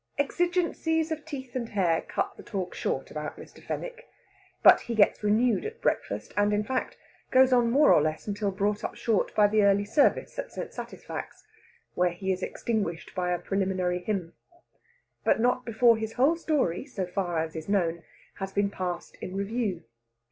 Exigencies of teeth and hair cut the talk short about Mr. Fenwick. But he gets renewed at breakfast, and, in fact, goes on more or less until brought up short by the early service at St. Satisfax, when he is extinguished by a preliminary hymn. But not before his whole story, so far as is known, has been passed in review.